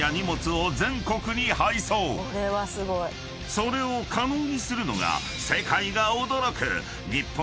［それを可能にするのが］